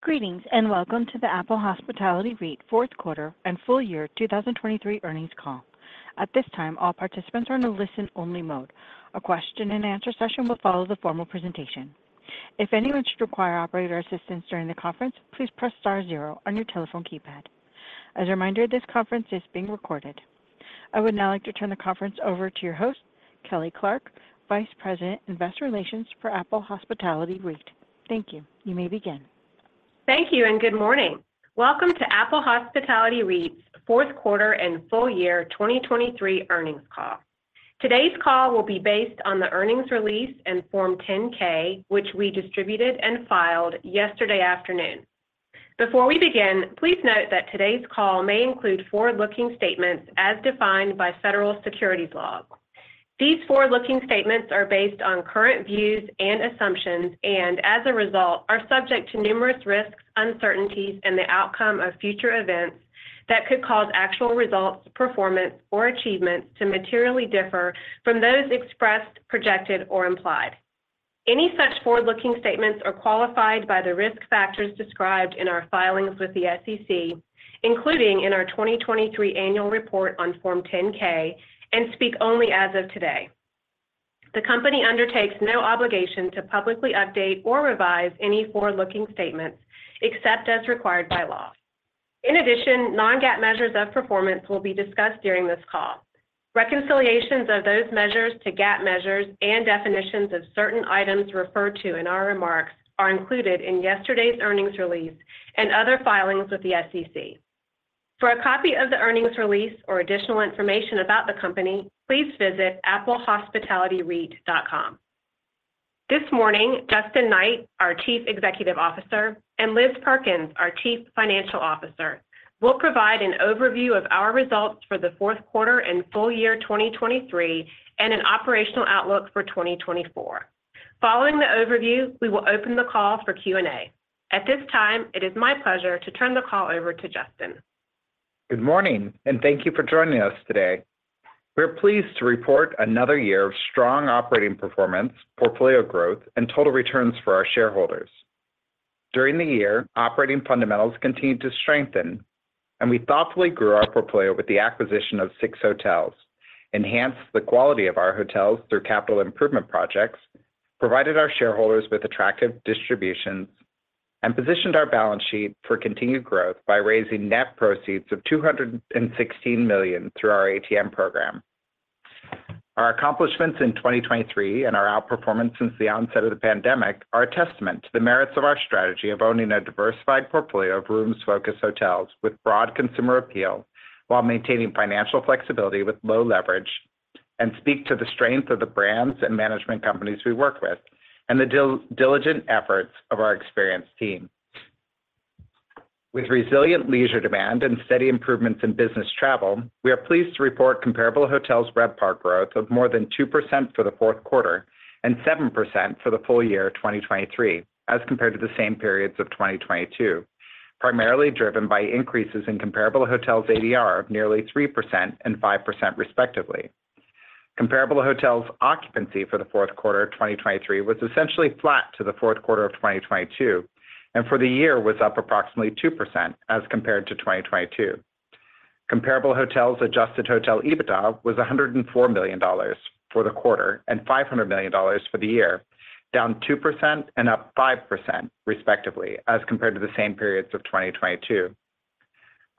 Greetings and welcome to the Apple Hospitality REIT fourth quarter and full year 2023 earnings call. At this time, all participants are in a listen-only mode. A question-and-answer session will follow the formal presentation. If anyone should require operator assistance during the conference, please press star zero on your telephone keypad. As a reminder, this conference is being recorded. I would now like to turn the conference over to your host, Kelly Clarke, Vice President, Investor Relations for Apple Hospitality REIT. Thank you. You may begin. Thank you and good morning. Welcome to Apple Hospitality REIT's fourth quarter and full year 2023 earnings call. Today's call will be based on the earnings release and Form 10-K, which we distributed and filed yesterday afternoon. Before we begin, please note that today's call may include forward-looking statements as defined by federal securities law. These forward-looking statements are based on current views and assumptions and, as a result, are subject to numerous risks, uncertainties, and the outcome of future events that could cause actual results, performance, or achievements to materially differ from those expressed, projected, or implied. Any such forward-looking statements are qualified by the risk factors described in our filings with the SEC, including in our 2023 annual report on Form 10-K, and speak only as of today. The company undertakes no obligation to publicly update or revise any forward-looking statements except as required by law. In addition, non-GAAP measures of performance will be discussed during this call. Reconciliations of those measures to GAAP measures and definitions of certain items referred to in our remarks are included in yesterday's earnings release and other filings with the SEC. For a copy of the earnings release or additional information about the company, please visit applehospitalityreit.com. This morning, Justin Knight, our Chief Executive Officer, and Liz Perkins, our Chief Financial Officer, will provide an overview of our results for the fourth quarter and full year 2023 and an operational outlook for 2024. Following the overview, we will open the call for Q&A. At this time, it is my pleasure to turn the call over to Justin. Good morning and thank you for joining us today. We're pleased to report another year of strong operating performance, portfolio growth, and total returns for our shareholders. During the year, operating fundamentals continued to strengthen, and we thoughtfully grew our portfolio with the acquisition of six hotels, enhanced the quality of our hotels through capital improvement projects, provided our shareholders with attractive distributions, and positioned our balance sheet for continued growth by raising net proceeds of $216 million through our ATM program. Our accomplishments in 2023 and our outperformance since the onset of the pandemic are a testament to the merits of our strategy of owning a diversified portfolio of rooms-focused hotels with broad consumer appeal while maintaining financial flexibility with low leverage and speak to the strength of the brands and management companies we work with and the diligent efforts of our experienced team. With resilient leisure demand and steady improvements in business travel, we are pleased to report comparable hotels' RevPAR growth of more than 2% for the fourth quarter and 7% for the full year 2023 as compared to the same periods of 2022, primarily driven by increases in comparable hotels' ADR of nearly 3% and 5% respectively. Comparable hotels' occupancy for the fourth quarter of 2023 was essentially flat to the fourth quarter of 2022 and for the year was up approximately 2% as compared to 2022. Comparable hotels' adjusted hotel EBITDA was $104 million for the quarter and $500 million for the year, down 2% and up 5% respectively as compared to the same periods of 2022.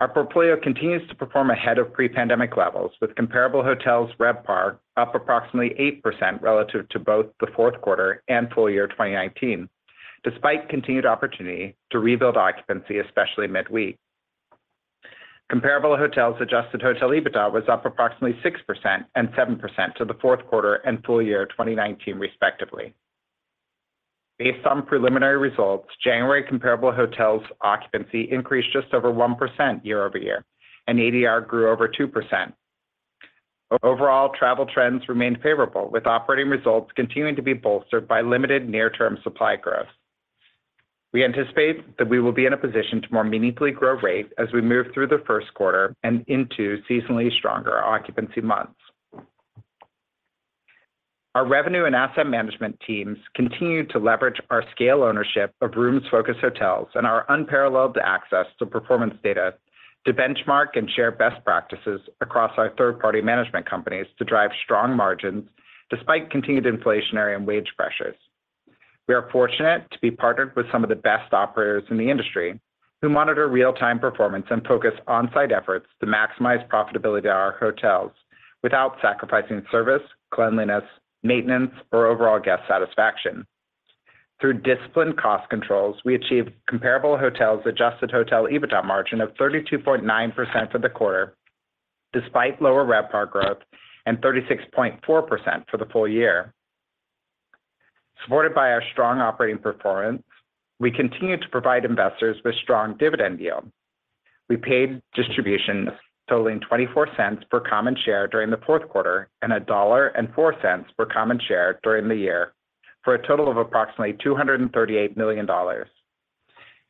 Our portfolio continues to perform ahead of pre-pandemic levels with comparable hotels' RevPAR up approximately 8% relative to both the fourth quarter and full year 2019 despite continued opportunity to rebuild occupancy, especially midweek. Comparable hotels' adjusted hotel EBITDA was up approximately 6% and 7% to the fourth quarter and full year 2019 respectively. Based on preliminary results, January comparable hotels' occupancy increased just over 1% year-over-year, and ADR grew over 2%. Overall, travel trends remained favorable with operating results continuing to be bolstered by limited near-term supply growth. We anticipate that we will be in a position to more meaningfully grow rate as we move through the first quarter and into seasonally stronger occupancy months. Our revenue and asset management teams continue to leverage our scale ownership of rooms-focused hotels and our unparalleled access to performance data to benchmark and share best practices across our third-party management companies to drive strong margins despite continued inflationary and wage pressures. We are fortunate to be partnered with some of the best operators in the industry who monitor real-time performance and focus on-site efforts to maximize profitability of our hotels without sacrificing service, cleanliness, maintenance, or overall guest satisfaction. Through disciplined cost controls, we achieved comparable hotels' adjusted hotel EBITDA margin of 32.9% for the quarter despite lower RevPAR growth and 36.4% for the full year. Supported by our strong operating performance, we continue to provide investors with strong dividend yield. We paid distributions totaling $0.24 per common share during the fourth quarter and $1.04 per common share during the year for a total of approximately $238 million.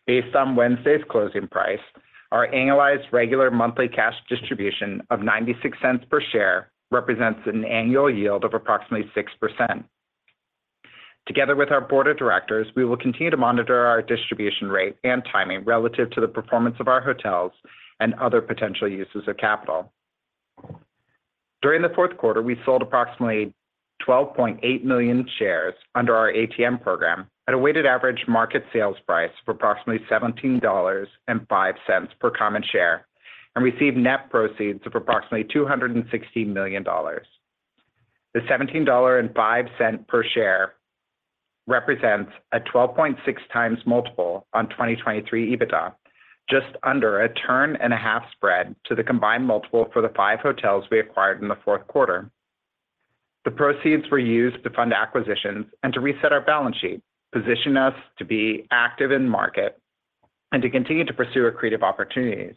Based on Wednesday's closing price, our annualized regular monthly cash distribution of $0.96 per share represents an annual yield of approximately 6%. Together with our board of directors, we will continue to monitor our distribution rate and timing relative to the performance of our hotels and other potential uses of capital. During the fourth quarter, we sold approximately 12.8 million shares under our ATM program at a weighted average market sales price of approximately $17.05 per common share and received net proceeds of approximately $260 million. The $17.05 per share represents a 12.6x multiple on 2023 EBITDA, just under a turn-and-a-half spread to the combined multiple for the five hotels we acquired in the fourth quarter. The proceeds were used to fund acquisitions and to reset our balance sheet, position us to be active in market, and to continue to pursue accretive opportunities.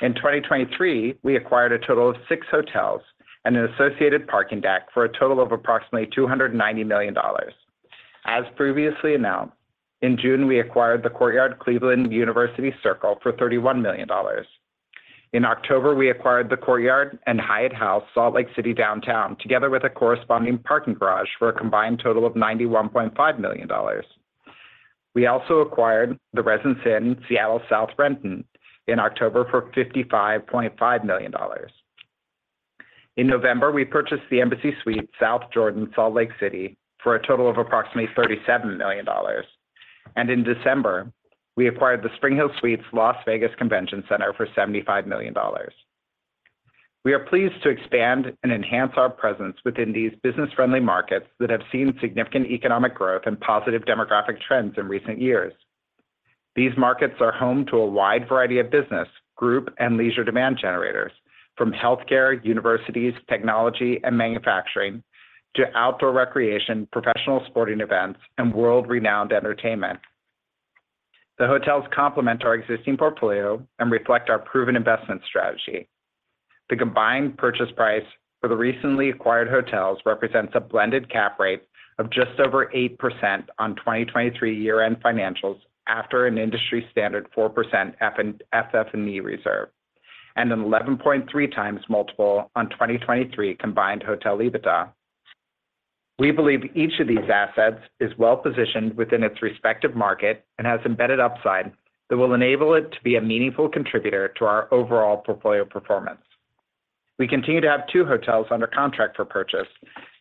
In 2023, we acquired a total of six hotels and an associated parking deck for a total of approximately $290 million. As previously announced, in June, we acquired the Courtyard Cleveland University Circle for $31 million. In October, we acquired the Courtyard and Hyatt House Salt Lake City Downtown together with a corresponding parking garage for a combined total of $91.5 million. We also acquired the Residence Inn Seattle South Renton in October for $55.5 million. In November, we purchased the Embassy Suites South Jordan Salt Lake City for a total of approximately $37 million. In December, we acquired the SpringHill Suites Las Vegas Convention Center for $75 million. We are pleased to expand and enhance our presence within these business-friendly markets that have seen significant economic growth and positive demographic trends in recent years. These markets are home to a wide variety of business, group, and leisure demand generators from healthcare, universities, technology, and manufacturing to outdoor recreation, professional sporting events, and world-renowned entertainment. The hotels complement our existing portfolio and reflect our proven investment strategy. The combined purchase price for the recently acquired hotels represents a blended cap rate of just over 8% on 2023 year-end financials after an industry standard 4% FF&E reserve and an 11.3x multiple on 2023 combined hotel EBITDA. We believe each of these assets is well-positioned within its respective market and has embedded upside that will enable it to be a meaningful contributor to our overall portfolio performance. We continue to have two hotels under contract for purchase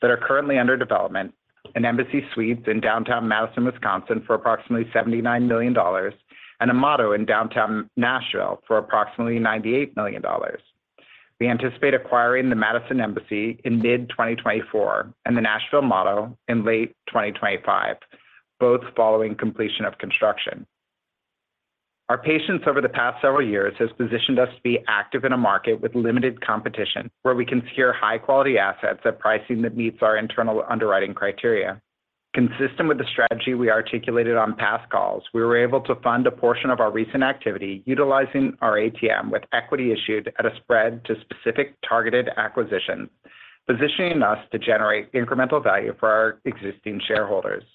that are currently under development: an Embassy Suites in downtown Madison, Wisconsin, for approximately $79 million and a Motto in downtown Nashville for approximately $98 million. We anticipate acquiring the Madison Embassy in mid-2024 and the Nashville Motto in late 2025, both following completion of construction. Our patience over the past several years has positioned us to be active in a market with limited competition where we can secure high-quality assets at pricing that meets our internal underwriting criteria. Consistent with the strategy we articulated on past calls, we were able to fund a portion of our recent activity utilizing our ATM with equity issued at a spread to specific targeted acquisitions, positioning us to generate incremental value for our existing shareholders.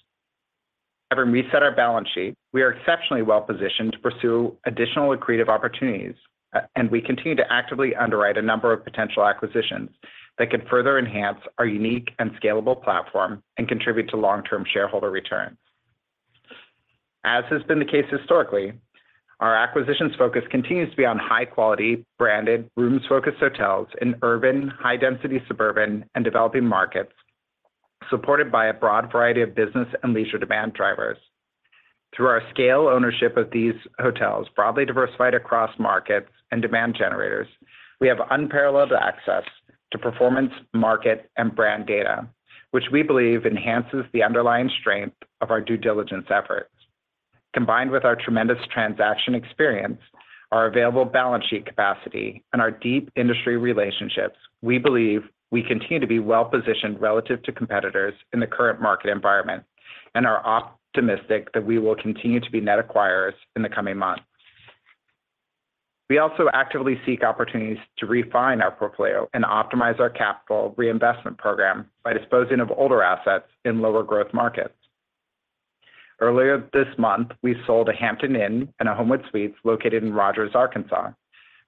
Every time we reset our balance sheet, we are exceptionally well-positioned to pursue additional accretive opportunities, and we continue to actively underwrite a number of potential acquisitions that can further enhance our unique and scalable platform and contribute to long-term shareholder returns. As has been the case historically, our acquisitions focus continues to be on high-quality, branded, rooms-focused hotels in urban, high-density suburban, and developing markets supported by a broad variety of business and leisure demand drivers. Through our scale ownership of these hotels broadly diversified across markets and demand generators, we have unparalleled access to performance, market, and brand data, which we believe enhances the underlying strength of our due diligence efforts. Combined with our tremendous transaction experience, our available balance sheet capacity, and our deep industry relationships, we believe we continue to be well-positioned relative to competitors in the current market environment and are optimistic that we will continue to be net acquirers in the coming months. We also actively seek opportunities to refine our portfolio and optimize our capital reinvestment program by disposing of older assets in lower growth markets. Earlier this month, we sold a Hampton Inn and a Homewood Suites located in Rogers, Arkansas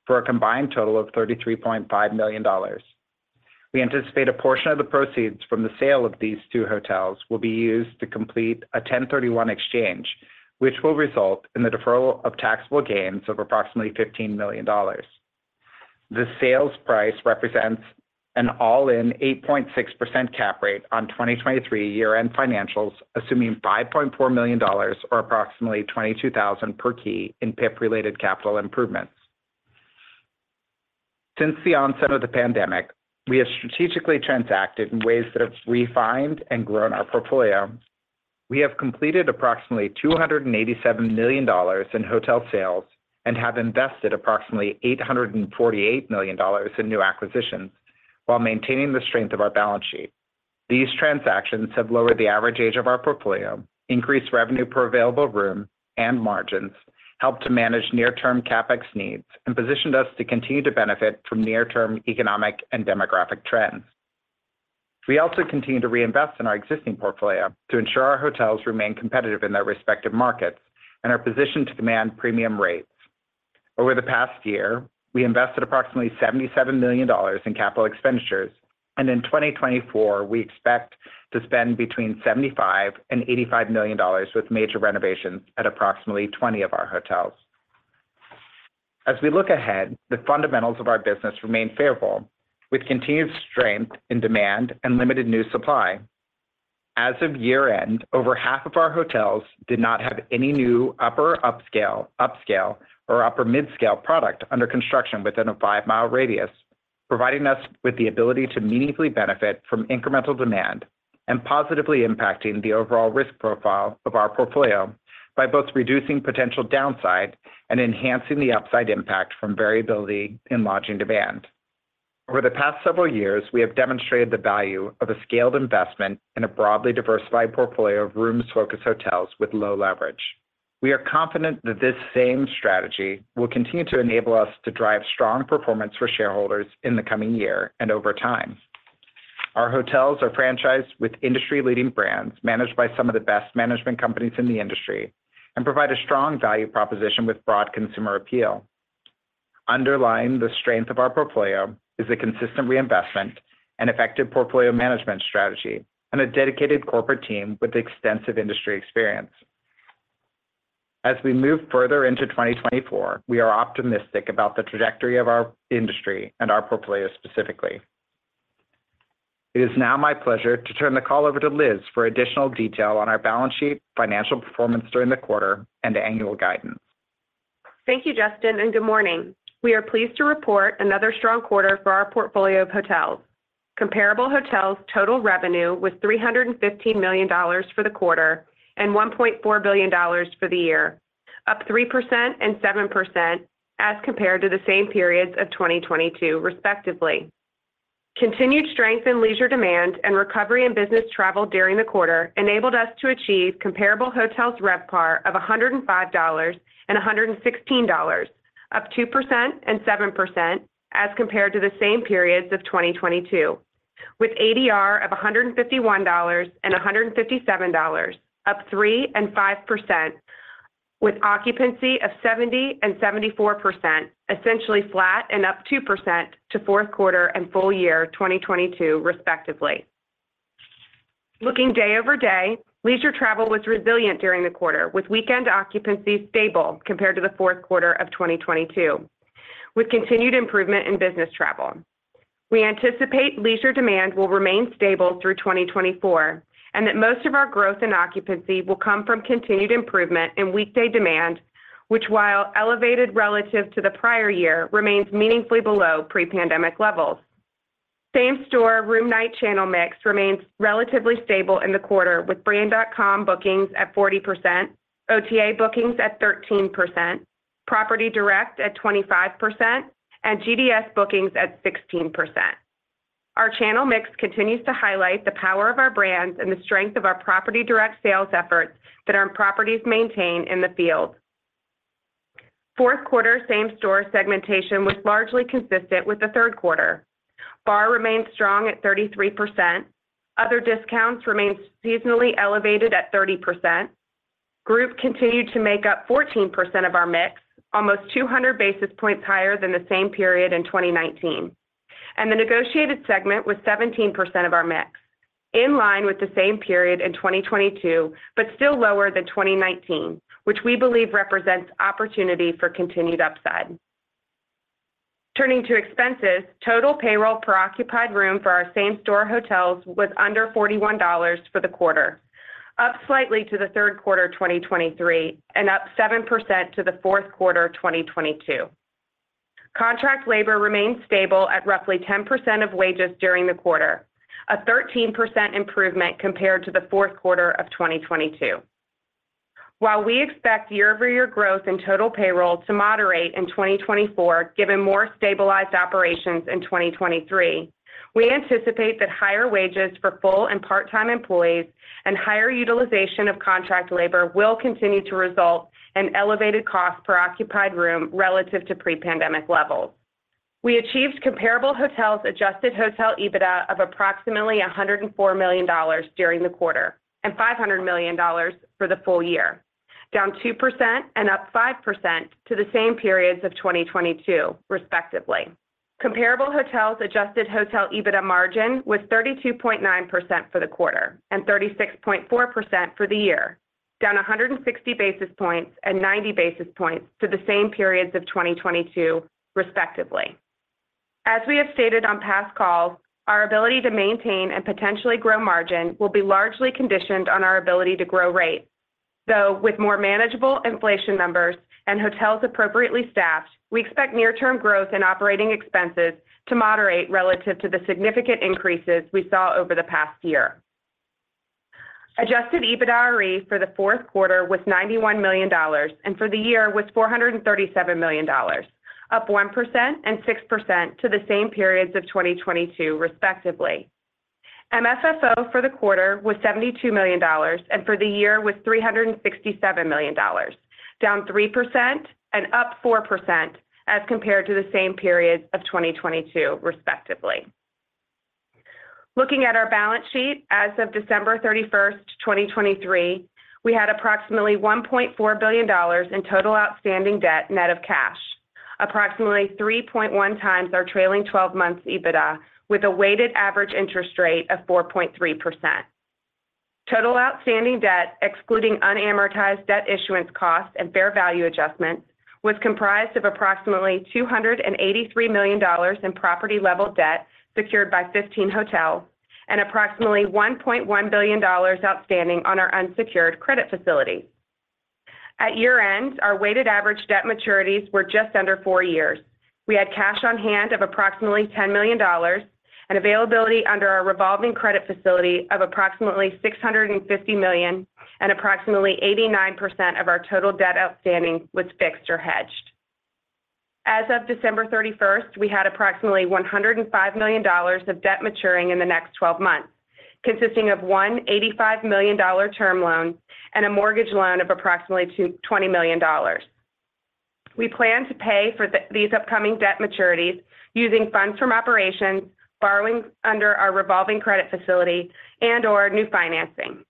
for a combined total of $33.5 million. We anticipate a portion of the proceeds from the sale of these two hotels will be used to complete a 1031 exchange, which will result in the deferral of taxable gains of approximately $15 million. The sales price represents an all-in 8.6% cap rate on 2023 year-end financials, assuming $5.4 million or approximately $22,000 per key in PIP-related capital improvements. Since the onset of the pandemic, we have strategically transacted in ways that have refined and grown our portfolio. We have completed approximately $287 million in hotel sales and have invested approximately $848 million in new acquisitions while maintaining the strength of our balance sheet. These transactions have lowered the average age of our portfolio, increased revenue per available room, and margins, helped to manage near-term CapEx needs, and positioned us to continue to benefit from near-term economic and demographic trends. We also continue to reinvest in our existing portfolio to ensure our hotels remain competitive in their respective markets and are positioned to demand premium rates. Over the past year, we invested approximately $77 million in capital expenditures, and in 2024, we expect to spend between $75 million-$85 million with major renovations at approximately 20 of our hotels. As we look ahead, the fundamentals of our business remain favorable with continued strength in demand and limited new supply. As of year-end, over half of our hotels did not have any new upper upscale or upper midscale product under construction within a five-mile radius, providing us with the ability to meaningfully benefit from incremental demand and positively impacting the overall risk profile of our portfolio by both reducing potential downside and enhancing the upside impact from variability in lodging demand. Over the past several years, we have demonstrated the value of a scaled investment in a broadly diversified portfolio of rooms-focused hotels with low leverage. We are confident that this same strategy will continue to enable us to drive strong performance for shareholders in the coming year and over time. Our hotels are franchised with industry-leading brands managed by some of the best management companies in the industry and provide a strong value proposition with broad consumer appeal. Underlying the strength of our portfolio is a consistent reinvestment and effective portfolio management strategy and a dedicated corporate team with extensive industry experience. As we move further into 2024, we are optimistic about the trajectory of our industry and our portfolio specifically. It is now my pleasure to turn the call over to Liz for additional detail on our balance sheet financial performance during the quarter and annual guidance. Thank you, Justin, and good morning. We are pleased to report another strong quarter for our portfolio of hotels. Comparable hotels total revenue was $315 million for the quarter and $1.4 billion for the year, up 3% and 7% as compared to the same periods of 2022 respectively. Continued strength in leisure demand and recovery in business travel during the quarter enabled us to achieve comparable hotels' RevPAR of $105 and $116, up 2% and 7% as compared to the same periods of 2022, with ADR of $151 and $157, up 3% and 5%, with occupancy of 70% and 74%, essentially flat and up 2% to fourth quarter and full year 2022 respectively. Looking day-over-day, leisure travel was resilient during the quarter, with weekend occupancy stable compared to the fourth quarter of 2022 with continued improvement in business travel. We anticipate leisure demand will remain stable through 2024 and that most of our growth in occupancy will come from continued improvement in weekday demand, which while elevated relative to the prior year remains meaningfully below pre-pandemic levels. Same-store room-night channel mix remains relatively stable in the quarter, with brand.com bookings at 40%, OTA bookings at 13%, property direct at 25%, and GDS bookings at 16%. Our channel mix continues to highlight the power of our brands and the strength of our property direct sales efforts that our properties maintain in the field. Fourth quarter same-store segmentation was largely consistent with the third quarter. BAR remained strong at 33%. Other discounts remained seasonally elevated at 30%. Group continued to make up 14% of our mix, almost 200 basis points higher than the same period in 2019. The negotiated segment was 17% of our mix, in line with the same period in 2022 but still lower than 2019, which we believe represents opportunity for continued upside. Turning to expenses, total payroll per occupied room for our same-store hotels was under $41 for the quarter, up slightly to the third quarter 2023 and up 7% to the fourth quarter 2022. Contract labor remained stable at roughly 10% of wages during the quarter, a 13% improvement compared to the fourth quarter of 2022. While we expect year-over-year growth in total payroll to moderate in 2024 given more stabilized operations in 2023, we anticipate that higher wages for full and part-time employees and higher utilization of contract labor will continue to result in elevated costs per occupied room relative to pre-pandemic levels. We achieved comparable hotels' adjusted hotel EBITDA of approximately $104 million during the quarter and $500 million for the full year, down 2% and up 5% to the same periods of 2022 respectively. Comparable hotels' adjusted hotel EBITDA margin was 32.9% for the quarter and 36.4% for the year, down 160 basis points and 90 basis points to the same periods of 2022 respectively. As we have stated on past calls, our ability to maintain and potentially grow margin will be largely conditioned on our ability to grow rates. Though with more manageable inflation numbers and hotels appropriately staffed, we expect near-term growth in operating expenses to moderate relative to the significant increases we saw over the past year. Adjusted EBITDAre for the fourth quarter was $91 million and for the year was $437 million, up 1% and 6% to the same periods of 2022 respectively. MFFO for the quarter was $72 million and for the year was $367 million, down 3% and up 4% as compared to the same periods of 2022 respectively. Looking at our balance sheet as of December 31st, 2023, we had approximately $1.4 billion in total outstanding debt net of cash, approximately 3.1x our trailing 12 months' EBITDA with a weighted average interest rate of 4.3%. Total outstanding debt excluding unamortized debt issuance costs and fair value adjustments was comprised of approximately $283 million in property-level debt secured by 15 hotels and approximately $1.1 billion outstanding on our unsecured credit facility. At year-end, our weighted average debt maturities were just under 4 years. We had cash on hand of approximately $10 million and availability under our revolving credit facility of approximately $650 million, and approximately 89% of our total debt outstanding was fixed or hedged. As of December 31st, we had approximately $105 million of debt maturing in the next 12 months, consisting of one $85 million term loan and a mortgage loan of approximately $20 million. We plan to pay for these upcoming debt maturities using funds from operations, borrowing under our revolving credit facility, and/or new financing.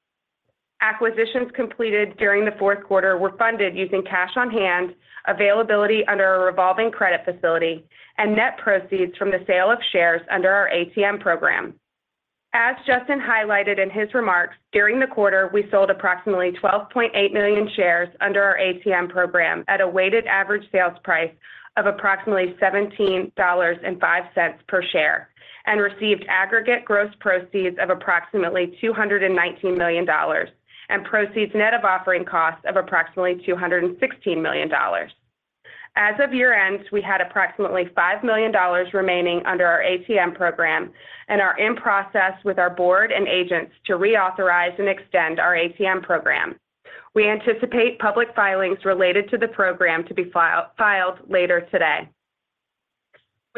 Acquisitions completed during the fourth quarter were funded using cash on hand, availability under our revolving credit facility, and net proceeds from the sale of shares under our ATM program. As Justin highlighted in his remarks, during the quarter, we sold approximately 12.8 million shares under our ATM program at a weighted average sales price of approximately $17.05 per share and received aggregate gross proceeds of approximately $219 million and proceeds net of offering costs of approximately $216 million. As of year-end, we had approximately $5 million remaining under our ATM program and are in process with our board and agents to reauthorize and extend our ATM program. We anticipate public filings related to the program to be filed later today.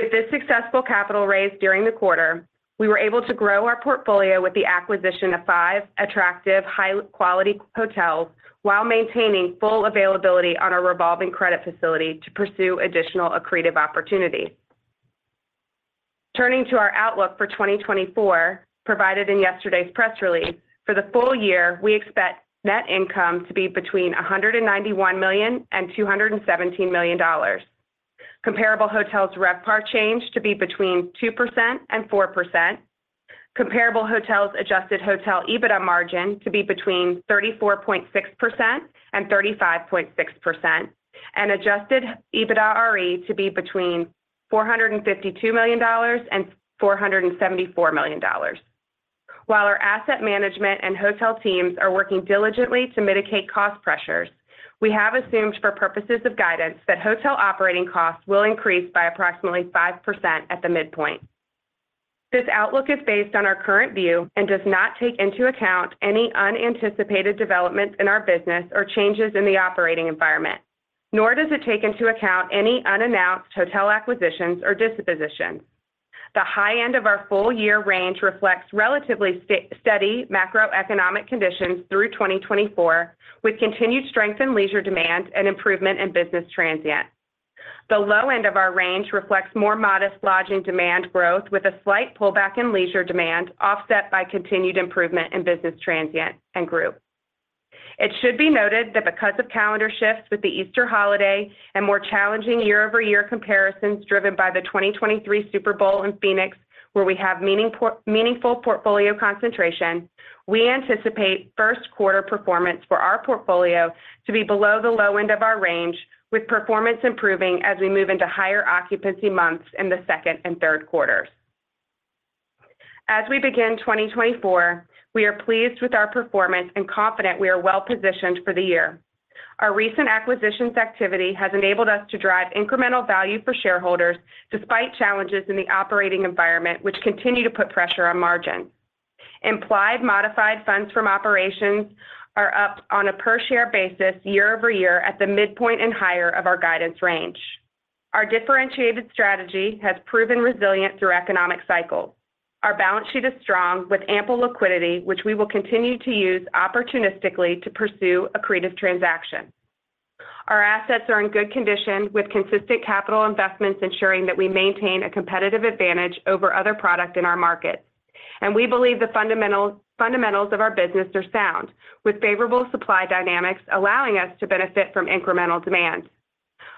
With this successful capital raise during the quarter, we were able to grow our portfolio with the acquisition of five attractive, high-quality hotels while maintaining full availability on our revolving credit facility to pursue additional accretive opportunities. Turning to our outlook for 2024 provided in yesterday's press release, for the full year, we expect net income to be between $191 million-$217 million. Comparable hotels' RevPAR change to be between 2%-4%. Comparable hotels' adjusted hotel EBITDA margin to be between 34.6%-35.6%, and adjusted EBITDA-RE to be between $452 million-$474 million. While our asset management and hotel teams are working diligently to mitigate cost pressures, we have assumed for purposes of guidance that hotel operating costs will increase by approximately 5% at the midpoint. This outlook is based on our current view and does not take into account any unanticipated developments in our business or changes in the operating environment, nor does it take into account any unannounced hotel acquisitions or dispositions. The high end of our full year range reflects relatively steady macroeconomic conditions through 2024 with continued strength in leisure demand and improvement in business transient. The low end of our range reflects more modest lodging demand growth with a slight pullback in leisure demand offset by continued improvement in business transient and group. It should be noted that because of calendar shifts with the Easter holiday and more challenging year-over-year comparisons driven by the 2023 Super Bowl in Phoenix, where we have meaningful portfolio concentration, we anticipate first-quarter performance for our portfolio to be below the low end of our range, with performance improving as we move into higher occupancy months in the second and third quarters. As we begin 2024, we are pleased with our performance and confident we are well-positioned for the year. Our recent acquisitions activity has enabled us to drive incremental value for shareholders despite challenges in the operating environment, which continue to put pressure on margins. Implied modified funds from operations are up on a per-share basis year-over-year at the midpoint and higher of our guidance range. Our differentiated strategy has proven resilient through economic cycles. Our balance sheet is strong with ample liquidity, which we will continue to use opportunistically to pursue accretive transactions. Our assets are in good condition with consistent capital investments ensuring that we maintain a competitive advantage over other products in our markets. We believe the fundamentals of our business are sound, with favorable supply dynamics allowing us to benefit from incremental demand.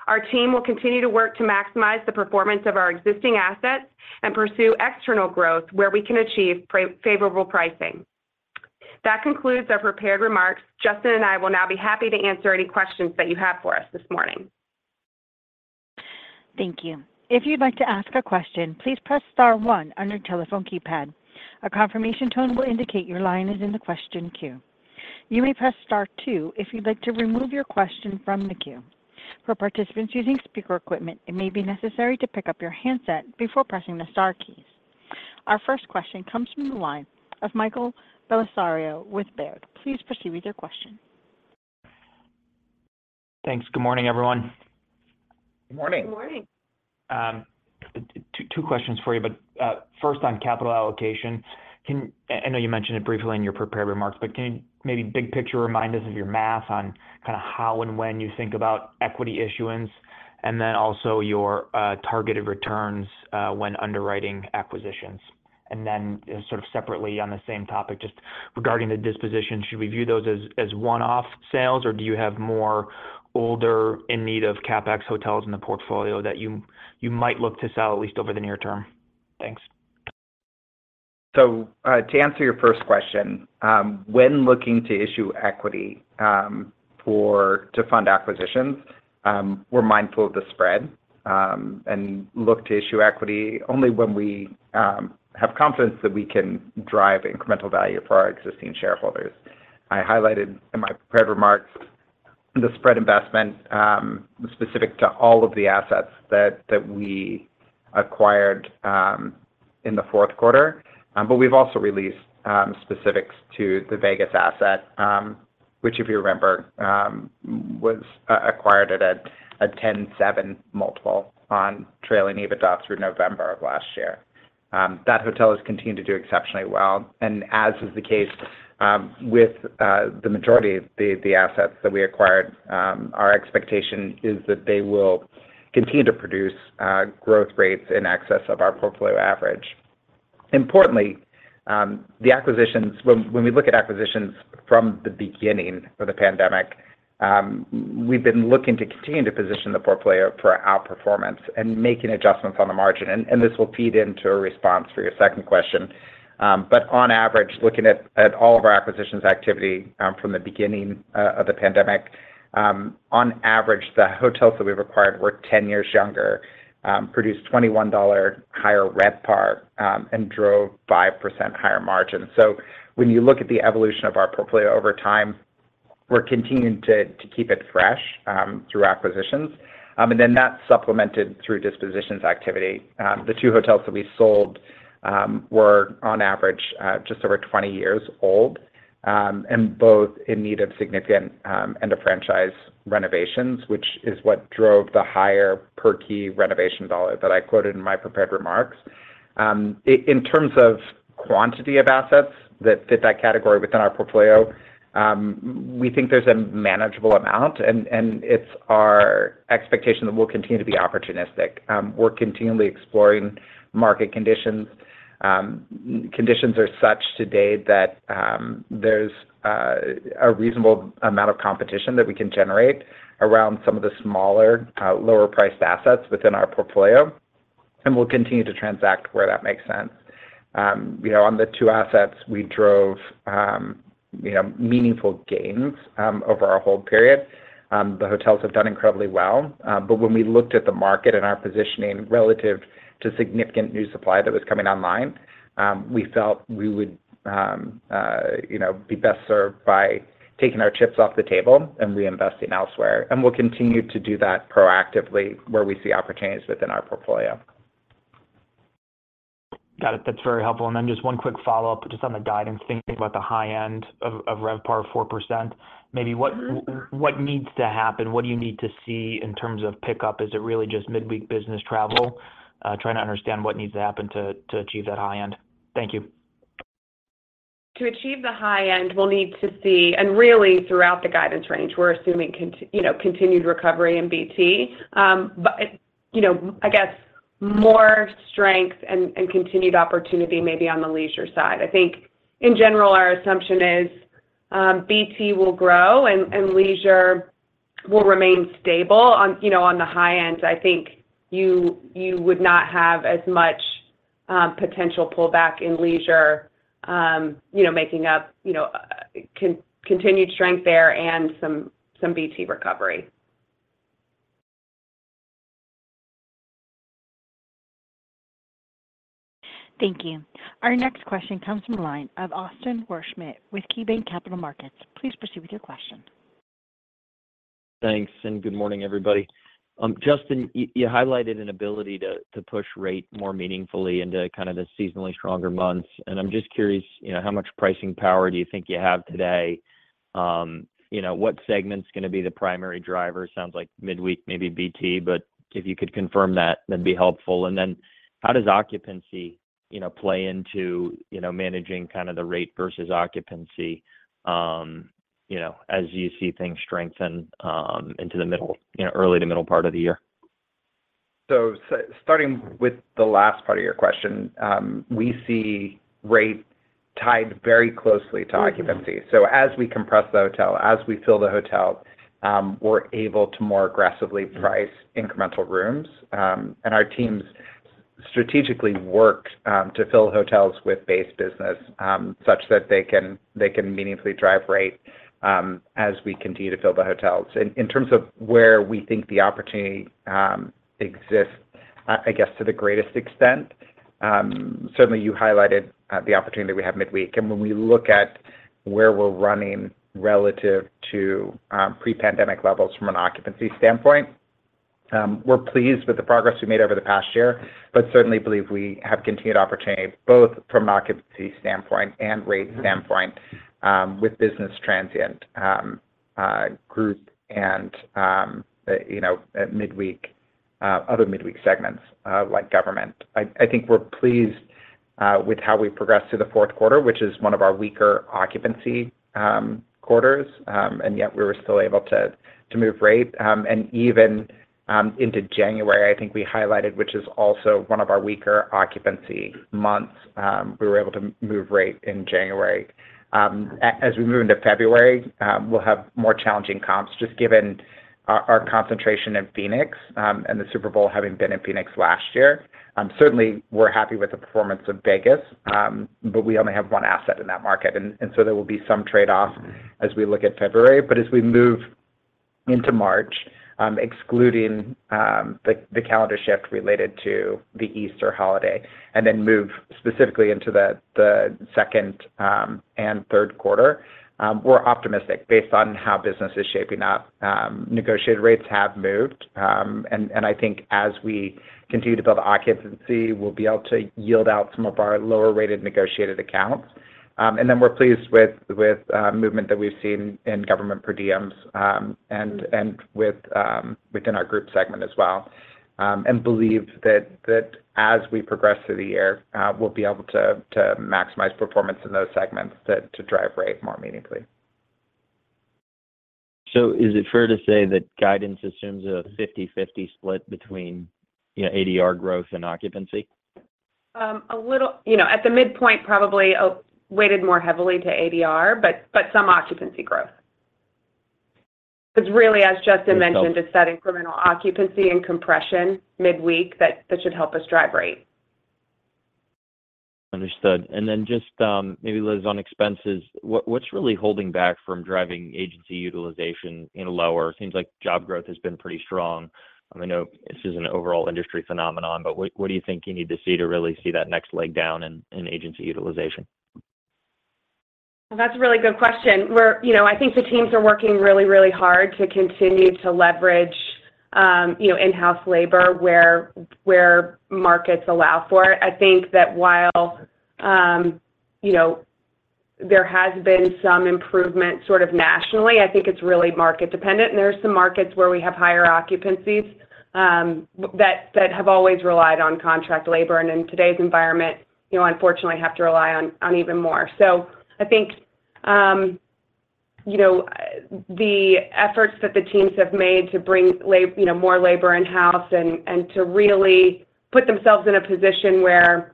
Our team will continue to work to maximize the performance of our existing assets and pursue external growth where we can achieve favorable pricing. That concludes our prepared remarks. Justin and I will now be happy to answer any questions that you have for us this morning. Thank you. If you'd like to ask a question, please press star one on your telephone keypad. A confirmation tone will indicate your line is in the question queue. You may press star two if you'd like to remove your question from the queue. For participants using speaker equipment, it may be necessary to pick up your handset before pressing the star keys. Our first question comes from the line of Michael Bellisario with Baird. Please proceed with your question. Thanks. Good morning, everyone. Good morning. Good morning. Two questions for you, but first on capital allocation. I know you mentioned it briefly in your prepared remarks, but can you maybe big picture remind us of your math on kind of how and when you think about equity issuance and then also your targeted returns when underwriting acquisitions? And then sort of separately on the same topic, just regarding the disposition, should we view those as one-off sales, or do you have more older in-need-of-CapEx hotels in the portfolio that you might look to sell at least over the near term? Thanks. So to answer your first question, when looking to issue equity to fund acquisitions, we're mindful of the spread and look to issue equity only when we have confidence that we can drive incremental value for our existing shareholders. I highlighted in my prepared remarks the spread investment specific to all of the assets that we acquired in the fourth quarter. But we've also released specifics to the Vegas asset, which, if you remember, was acquired at a 10.7x multiple on trailing EBITDA through November of last year. That hotel has continued to do exceptionally well. And as is the case with the majority of the assets that we acquired, our expectation is that they will continue to produce growth rates in excess of our portfolio average. Importantly, when we look at acquisitions from the beginning of the pandemic, we've been looking to continue to position the portfolio for outperformance and making adjustments on the margin. And this will feed into a response for your second question. But on average, looking at all of our acquisitions activity from the beginning of the pandemic, on average, the hotels that we've acquired were 10 years younger, produced $21 higher RevPAR, and drove 5% higher margins. So when you look at the evolution of our portfolio over time, we're continuing to keep it fresh through acquisitions. And then that's supplemented through dispositions activity. The two hotels that we sold were, on average, just over 20 years old and both in need of significant end-of-franchise renovations, which is what drove the higher per-key renovation dollar that I quoted in my prepared remarks. In terms of quantity of assets that fit that category within our portfolio, we think there's a manageable amount. It's our expectation that we'll continue to be opportunistic. We're continually exploring market conditions. Conditions are such today that there's a reasonable amount of competition that we can generate around some of the smaller, lower-priced assets within our portfolio. We'll continue to transact where that makes sense. On the two assets, we drove meaningful gains over our whole period. The hotels have done incredibly well. But when we looked at the market and our positioning relative to significant new supply that was coming online, we felt we would be best served by taking our chips off the table and reinvesting elsewhere. We'll continue to do that proactively where we see opportunities within our portfolio. Got it. That's very helpful. And then just one quick follow-up just on the guidance, thinking about the high end of RevPAR of 4%, maybe what needs to happen? What do you need to see in terms of pickup? Is it really just midweek business travel? Trying to understand what needs to happen to achieve that high end. Thank you. To achieve the high end, we'll need to see, and really, throughout the guidance range, we're assuming continued recovery in BT. But I guess more strength and continued opportunity, maybe on the leisure side. I think, in general, our assumption is BT will grow and Leisure will remain stable. On the high end, I think you would not have as much potential pullback in leisure, making up continued strength there and some BT recovery. Thank you. Our next question comes from a line of Austin Wurschmidt with KeyBanc Capital Markets. Please proceed with your question. Thanks. Good morning, everybody. Justin, you highlighted an ability to push rate more meaningfully into kind of the seasonally stronger months. I'm just curious, how much pricing power do you think you have today? What segment's going to be the primary driver? Sounds like midweek, maybe BT, but if you could confirm that, that'd be helpful. Then how does occupancy play into managing kind of the rate versus occupancy as you see things strengthen into the early to middle part of the year? So starting with the last part of your question, we see rate tied very closely to occupancy. So as we compress the hotel, as we fill the hotel, we're able to more aggressively price incremental rooms. And our teams strategically work to fill hotels with base business such that they can meaningfully drive rate as we continue to fill the hotels. In terms of where we think the opportunity exists, I guess, to the greatest extent, certainly, you highlighted the opportunity that we have midweek. And when we look at where we're running relative to pre-pandemic levels from an occupancy standpoint, we're pleased with the progress we made over the past year, but certainly believe we have continued opportunity both from an occupancy standpoint and rate standpoint with business transient group and other midweek segments like government. I think we're pleased with how we progressed through the fourth quarter, which is one of our weaker occupancy quarters. And yet, we were still able to move rate. And even into January, I think we highlighted, which is also one of our weaker occupancy months, we were able to move rate in January. As we move into February, we'll have more challenging comps just given our concentration in Phoenix and the Super Bowl having been in Phoenix last year. Certainly, we're happy with the performance of Vegas, but we only have one asset in that market. And so there will be some trade-off as we look at February. But as we move into March, excluding the calendar shift related to the Easter holiday, and then move specifically into the second and third quarter, we're optimistic based on how business is shaping up. Negotiated rates have moved. I think as we continue to build occupancy, we'll be able to yield out some of our lower-rated negotiated accounts. Then we're pleased with movement that we've seen in government per diems and within our group segment as well. And believe that as we progress through the year, we'll be able to maximize performance in those segments to drive rate more meaningfully. Is it fair to say that guidance assumes a 50/50 split between ADR growth and occupancy? A little. At the midpoint, probably weighted more heavily to ADR, but some occupancy growth. Because really, as Justin mentioned, it's that incremental occupancy and compression midweek that should help us drive rate. Understood. And then just maybe, Liz, on expenses, what's really holding back from driving agency utilization in a lower? It seems like job growth has been pretty strong. I know this is an overall industry phenomenon, but what do you think you need to see to really see that next leg down in agency utilization? That's a really good question. I think the teams are working really, really hard to continue to leverage in-house labor where markets allow for it. I think that while there has been some improvement sort of nationally, I think it's really market-dependent. There are some markets where we have higher occupancies that have always relied on contract labor. In today's environment, unfortunately, you have to rely on even more. So I think the efforts that the teams have made to bring more labor in-house and to really put themselves in a position where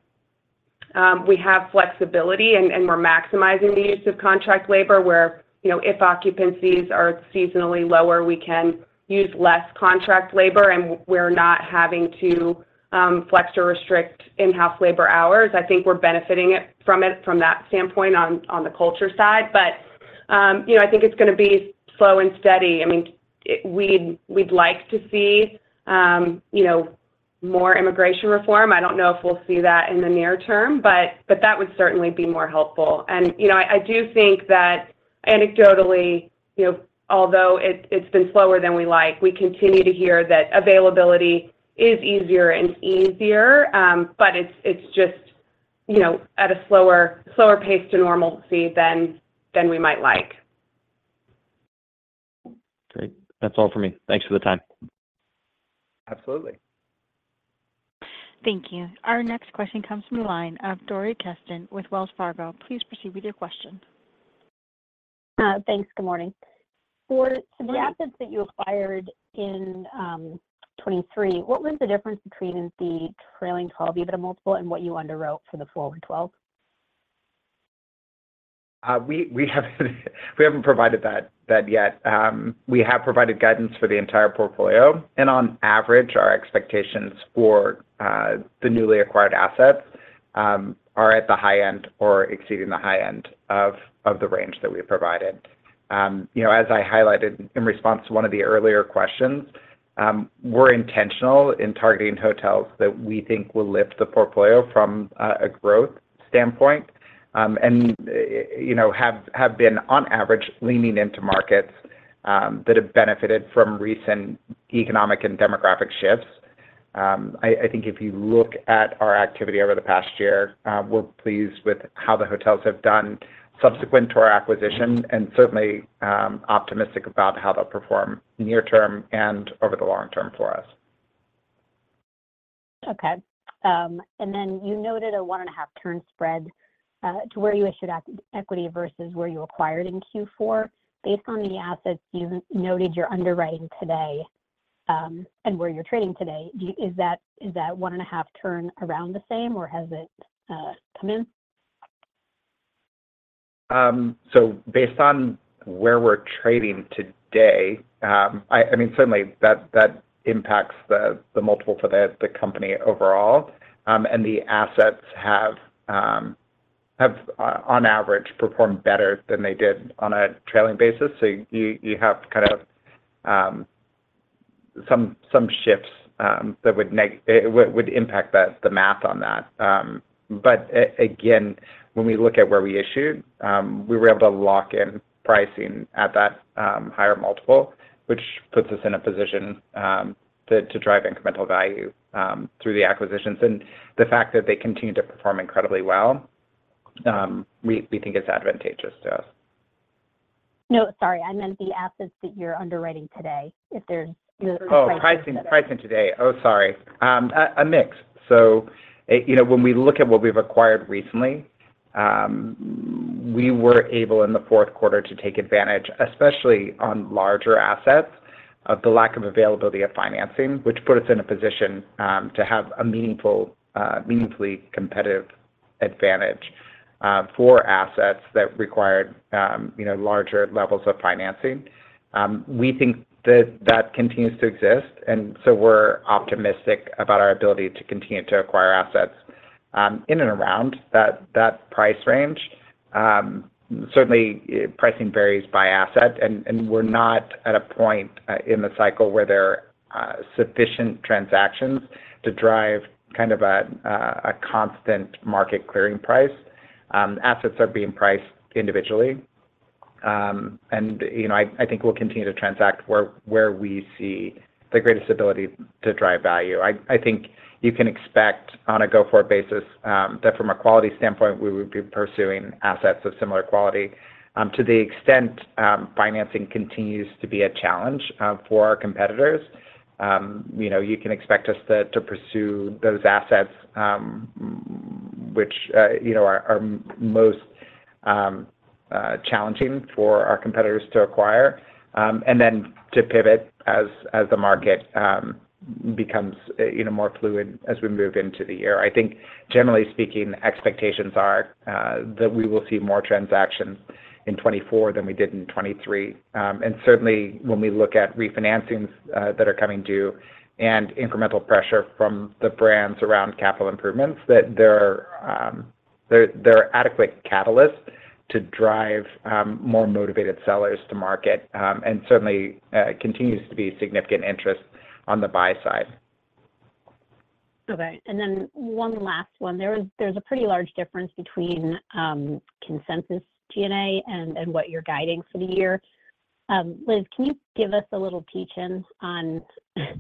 we have flexibility and we're maximizing the use of contract labor, where if occupancies are seasonally lower, we can use less contract labor and we're not having to flex or restrict in-house labor hours. I think we're benefiting from it from that standpoint on the culture side. But I think it's going to be slow and steady. I mean, we'd like to see more immigration reform. I don't know if we'll see that in the near term, but that would certainly be more helpful. And I do think that anecdotally, although it's been slower than we like, we continue to hear that availability is easier and easier, but it's just at a slower pace to normalcy than we might like. Great. That's all for me. Thanks for the time. Absolutely. Thank you. Our next question comes from a line of Dori Kesten with Wells Fargo. Please proceed with your question. Thanks. Good morning. For some of the assets that you acquired in 2023, what was the difference between the trailing 12 EBITDA multiple and what you underwrote for the forward 12? We haven't provided that yet. We have provided guidance for the entire portfolio. On average, our expectations for the newly acquired assets are at the high end or exceeding the high end of the range that we've provided. As I highlighted in response to one of the earlier questions, we're intentional in targeting hotels that we think will lift the portfolio from a growth standpoint and have been, on average, leaning into markets that have benefited from recent economic and demographic shifts. I think if you look at our activity over the past year, we're pleased with how the hotels have done subsequent to our acquisition and certainly optimistic about how they'll perform near-term and over the long-term for us. Okay. And then you noted a 1.5-turn spread to where you issued equity versus where you acquired in Q4. Based on the assets you noted, your underwriting today and where you're trading today, is that 1.5-turn around the same, or has it come in? So based on where we're trading today, I mean, certainly, that impacts the multiple for the company overall. And the assets have, on average, performed better than they did on a trailing basis. So you have kind of some shifts that would impact the math on that. But again, when we look at where we issued, we were able to lock in pricing at that higher multiple, which puts us in a position to drive incremental value through the acquisitions. And the fact that they continue to perform incredibly well, we think is advantageous to us. No, sorry. I meant the assets that you're underwriting today. If there's a pricing. Oh, pricing today. Oh, sorry. A mix. So when we look at what we've acquired recently, we were able in the fourth quarter to take advantage, especially on larger assets, of the lack of availability of financing, which put us in a position to have a meaningfully competitive advantage for assets that required larger levels of financing. We think that that continues to exist. And so we're optimistic about our ability to continue to acquire assets in and around that price range. Certainly, pricing varies by asset. And we're not at a point in the cycle where there are sufficient transactions to drive kind of a constant market clearing price. Assets are being priced individually. And I think we'll continue to transact where we see the greatest ability to drive value. I think you can expect, on a go-forward basis, that from a quality standpoint, we would be pursuing assets of similar quality. To the extent financing continues to be a challenge for our competitors, you can expect us to pursue those assets which are most challenging for our competitors to acquire and then to pivot as the market becomes more fluid as we move into the year. I think, generally speaking, expectations are that we will see more transactions in 2024 than we did in 2023. And certainly, when we look at refinancings that are coming due and incremental pressure from the brands around capital improvements, that they're adequate catalysts to drive more motivated sellers to market. And certainly, continues to be significant interest on the buy side. Okay. And then one last one. There's a pretty large difference between consensus G&A and what you're guiding for the year. Liz, can you give us a little teach-in on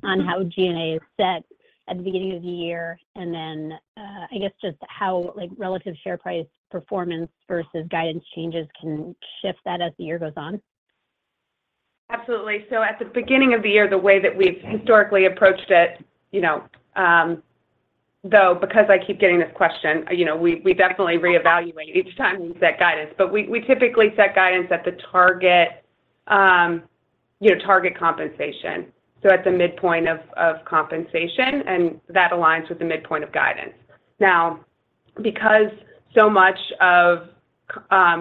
how G&A is set at the beginning of the year and then, I guess, just how relative share price performance versus guidance changes can shift that as the year goes on? Absolutely. So at the beginning of the year, the way that we've historically approached it, though, because I keep getting this question, we definitely reevaluate each time we set guidance. But we typically set guidance at the target compensation. So at the midpoint of compensation. And that aligns with the midpoint of guidance. Now, because so much of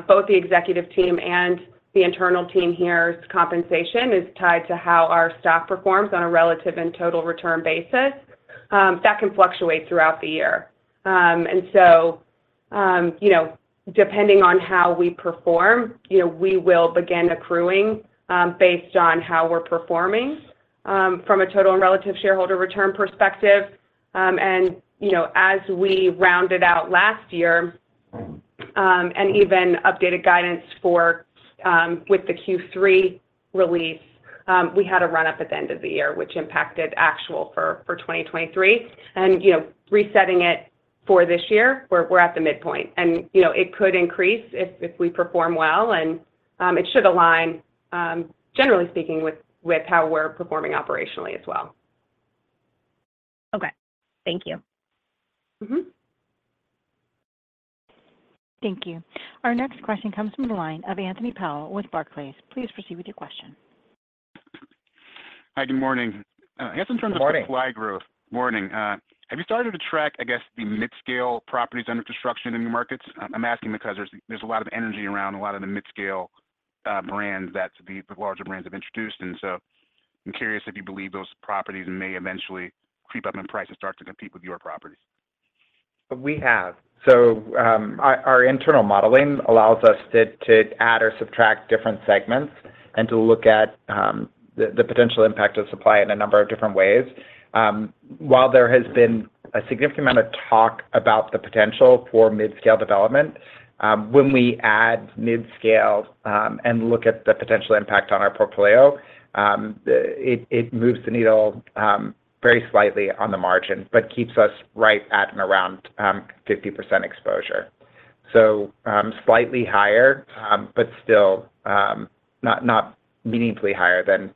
both the executive team and the internal team's compensation is tied to how our stock performs on a relative and total return basis, that can fluctuate throughout the year. And so depending on how we perform, we will begin accruing based on how we're performing from a total and relative shareholder return perspective. And as we rounded out last year and even updated guidance with the Q3 release, we had a run-up at the end of the year, which impacted actual for 2023. Resetting it for this year, we're at the midpoint. It could increase if we perform well. It should align, generally speaking, with how we're performing operationally as well. Okay. Thank you. Thank you. Our next question comes from a line of Anthony Powell with Barclays. Please proceed with your question. Hi. Good morning. Just in terms of- Good morning. Good morning. Have you started to track, I guess, the mid-scale properties under construction in the markets? I'm asking because there's a lot of energy around a lot of the mid-scale brands that the larger brands have introduced. And so I'm curious if you believe those properties may eventually creep up in price and start to compete with your properties. We have. So our internal modeling allows us to add or subtract different segments and to look at the potential impact of supply in a number of different ways. While there has been a significant amount of talk about the potential for mid-scale development, when we add mid-scale and look at the potential impact on our portfolio, it moves the needle very slightly on the margin but keeps us right at and around 50% exposure. So slightly higher, but still not meaningfully higher than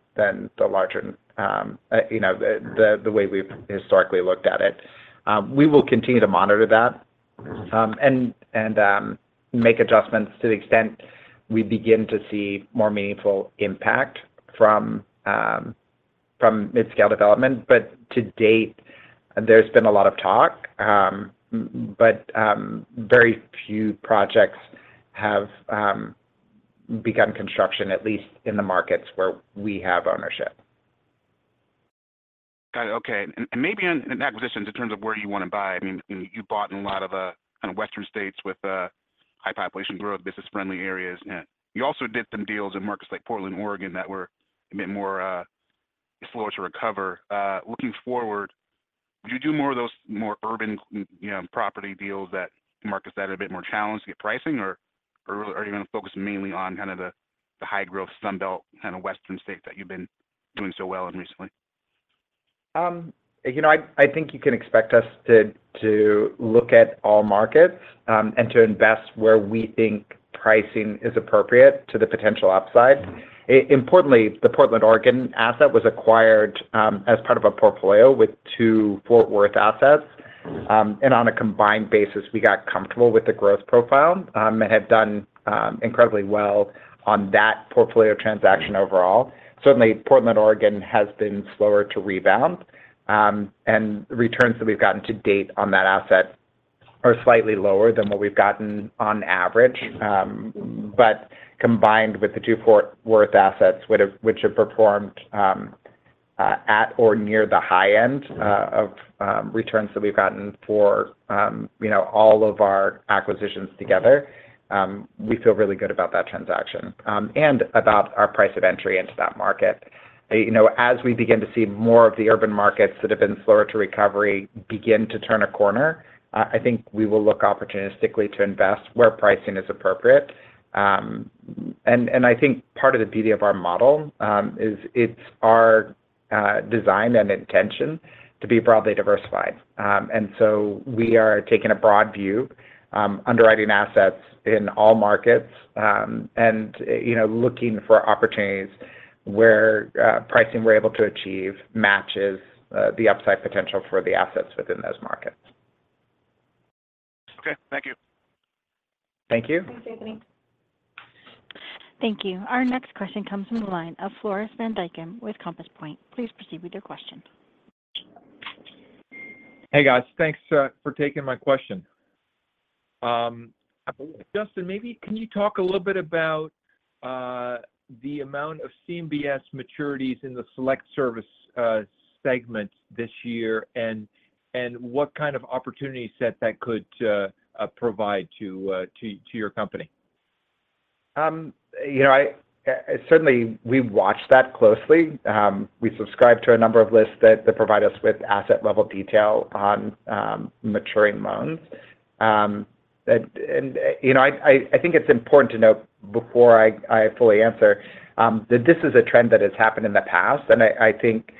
the larger the way we've historically looked at it. We will continue to monitor that and make adjustments to the extent we begin to see more meaningful impact from mid-scale development. But to date, there's been a lot of talk, but very few projects have begun construction, at least in the markets where we have ownership. Got it. Okay. And maybe in acquisitions in terms of where you want to buy, I mean, you bought in a lot of kind of Western states with high population growth, business-friendly areas. You also did some deals in markets like Portland, Oregon that were a bit more slower to recover. Looking forward, would you do more of those more urban property deals that markets that are a bit more challenged to get pricing, or are you going to focus mainly on kind of the high-growth, Sun Belt kind of Western states that you've been doing so well in recently? I think you can expect us to look at all markets and to invest where we think pricing is appropriate to the potential upside. Importantly, the Portland, Oregon asset was acquired as part of a portfolio with two Fort Worth assets. And on a combined basis, we got comfortable with the growth profile and have done incredibly well on that portfolio transaction overall. Certainly, Portland, Oregon has been slower to rebound. And returns that we've gotten to date on that asset are slightly lower than what we've gotten on average. But combined with the two Fort Worth assets, which have performed at or near the high end of returns that we've gotten for all of our acquisitions together, we feel really good about that transaction and about our price of entry into that market. As we begin to see more of the urban markets that have been slower to recovery begin to turn a corner, I think we will look opportunistically to invest where pricing is appropriate. And I think part of the beauty of our model is it's our design and intention to be broadly diversified. And so we are taking a broad view, underwriting assets in all markets, and looking for opportunities where pricing we're able to achieve matches the upside potential for the assets within those markets. Okay. Thank you. Thank you. Thanks, Anthony. Thank you. Our next question comes from a line of Floris Van Dijkum with Compass Point. Please proceed with your question. Hey, guys. Thanks for taking my question. Justin, maybe can you talk a little bit about the amount of CMBS maturities in the select service segment this year and what kind of opportunity set that could provide to your company? Certainly, we watch that closely. We subscribe to a number of lists that provide us with asset-level detail on maturing loans. I think it's important to note before I fully answer that this is a trend that has happened in the past. I think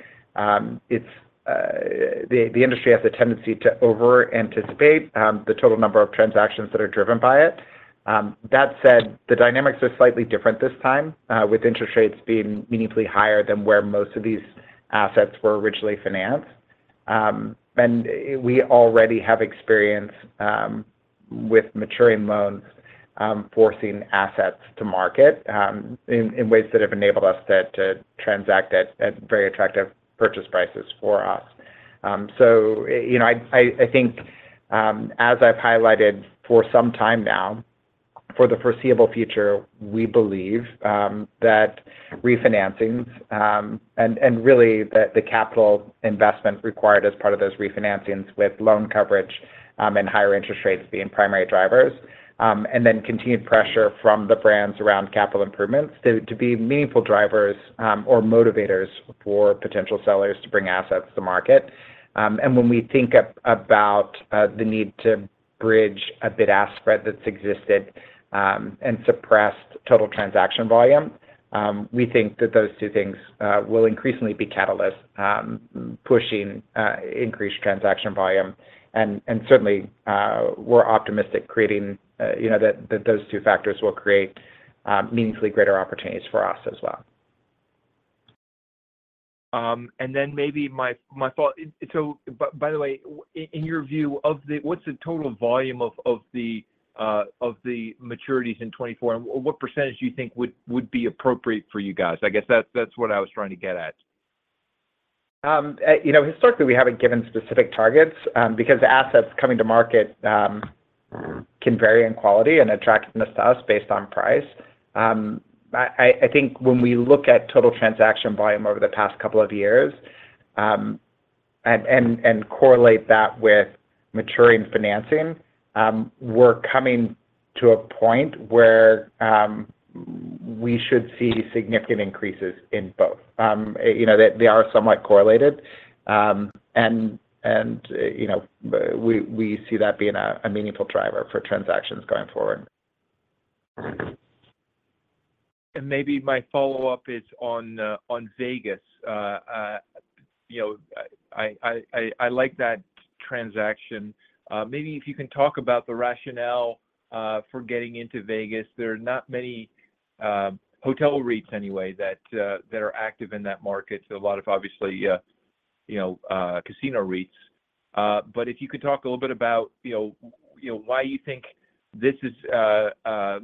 the industry has a tendency to over-anticipate the total number of transactions that are driven by it. That said, the dynamics are slightly different this time, with interest rates being meaningfully higher than where most of these assets were originally financed. We already have experience with maturing loans forcing assets to market in ways that have enabled us to transact at very attractive purchase prices for us. I think, as I've highlighted for some time now, for the foreseeable future, we believe that refinancings and really the capital investment required as part of those refinancings with loan coverage and higher interest rates being primary drivers and then continued pressure from the brands around capital improvements to be meaningful drivers or motivators for potential sellers to bring assets to market. When we think about the need to bridge a bid-ask spread that's existed and suppress total transaction volume, we think that those two things will increasingly be catalysts pushing increased transaction volume. Certainly, we're optimistic that those two factors will create meaningfully greater opportunities for us as well. Then maybe my thought so by the way, in your view, what's the total volume of the maturities in 2024? And what percentage do you think would be appropriate for you guys? I guess that's what I was trying to get at. Historically, we haven't given specific targets because assets coming to market can vary in quality and attractiveness to us based on price. I think when we look at total transaction volume over the past couple of years and correlate that with maturing financing, we're coming to a point where we should see significant increases in both. They are somewhat correlated. And we see that being a meaningful driver for transactions going forward. Maybe my follow-up is on Vegas. I like that transaction. Maybe if you can talk about the rationale for getting into Vegas? There are not many hotel REITs anyway that are active in that market, a lot of, obviously, casino REITs. But if you could talk a little bit about why you think this is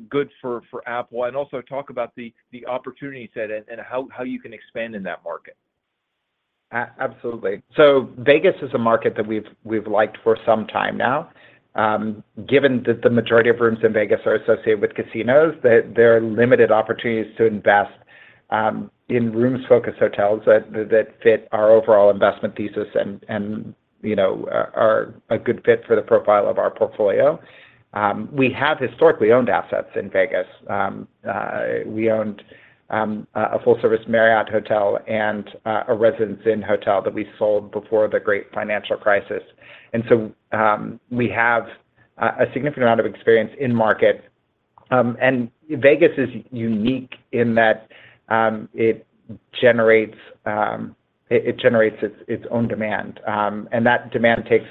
good for Apple and also talk about the opportunity set and how you can expand in that market? Absolutely. So Vegas is a market that we've liked for some time now. Given that the majority of rooms in Vegas are associated with casinos, there are limited opportunities to invest in rooms-focused hotels that fit our overall investment thesis and are a good fit for the profile of our portfolio. We have historically owned assets in Vegas. We owned a full-service Marriott hotel and a Residence Inn hotel that we sold before the Great Financial Crisis. And so we have a significant amount of experience in the market. Vegas is unique in that it generates its own demand. And that demand takes